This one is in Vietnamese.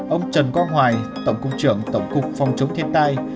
ông trần quang hoài tổng cục trưởng tổng cục phòng chống thiên tai